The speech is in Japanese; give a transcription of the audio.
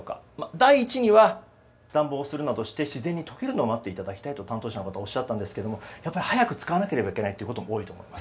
第一には暖房するなどして自然に溶けるのを待っていただきたいと担当者の方おっしゃっていたんですがやっぱり早く使わなければいけないことも多いと思います。